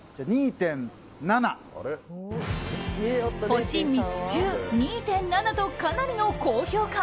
星３つ中、２．７とかなりの高評価。